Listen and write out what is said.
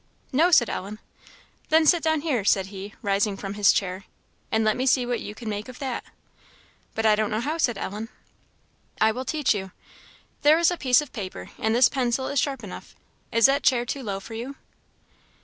"No," said Ellen. "Then sit down here," said he, rising from his chair, "and let me see what you can make of that." "But I don't know how," said Ellen. "I will teach you. There is a piece of paper, and this pencil is sharp enough. Is that chair too low for you?"